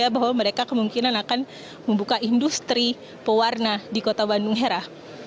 bahwa mereka kemungkinan akan membuka industri pewarna di kota bandung hera